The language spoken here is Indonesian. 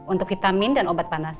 untuk vitamin dan obat panas